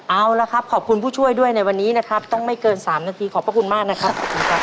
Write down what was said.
เอาละครับขอบคุณผู้ช่วยด้วยในวันนี้นะครับต้องไม่เกิน๓นาทีขอบพระคุณมากนะครับ